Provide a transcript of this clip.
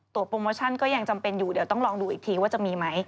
โปรโมชั่นก็ยังจำเป็นอยู่เดี๋ยวต้องลองดูอีกทีว่าจะมีไหม